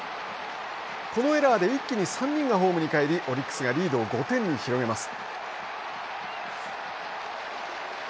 このエラーで一気に３人がホームへ帰りオリックスがリードを５点に広げます。